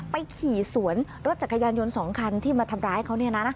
ขี่สวนรถจักรยานยนต์๒คันที่มาทำร้ายเขา